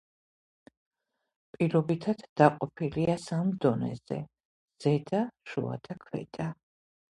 პირობითად დაყოფილია სამ დონეზე: ზედა, შუა და ქვედა.